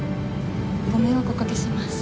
ご迷惑おかけします。